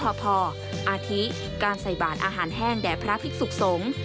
อาทิการใส่บาดอาหารแห้งแดดพระพริกสุกสง